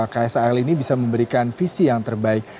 saya saat ini bisa memberikan visi yang terbaik